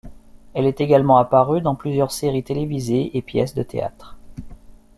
Elle est également apparue dans plusieurs séries télévisées et pièces de théâtre.